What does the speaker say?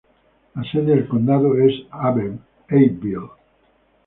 La sede del condado es Abbeville.